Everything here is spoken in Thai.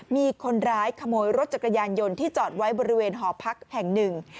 มีคนร้ายขโมยรถจักรยานยนต์ที่จอดไว้บริเวณหอพักแห่งหนึ่ง